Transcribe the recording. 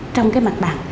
trong cái mặt bằng